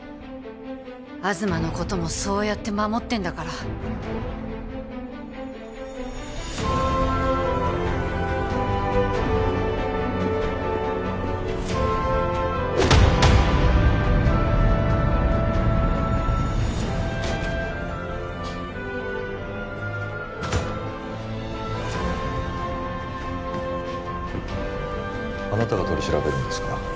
東のこともそうやって守ってんだからあなたが取り調べるんですか？